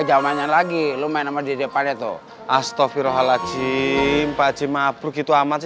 ya banyak lagi lu main sama dia depannya tuh astaghfirullahaladzim pak jemaah begitu amat